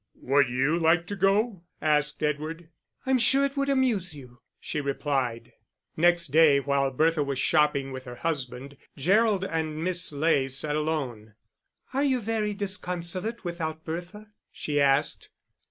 "Would you like to go?" asked Edward. "I'm sure it would amuse you," she replied. Next day while Bertha was shopping with her husband, Gerald and Miss Ley sat alone. "Are you very disconsolate without Bertha?" she asked.